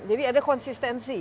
jadi ada konsistensi